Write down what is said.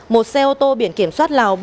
một xe ô tô biển kiểm soát lào